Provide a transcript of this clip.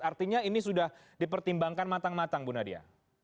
artinya ini sudah dipertimbangkan matang matang bu nadia